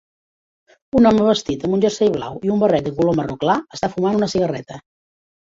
Un home vestit amb un jersei blau i un barret de color marró clar està fumant una cigarreta.